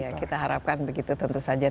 iya kita harapkan begitu tentu saja ya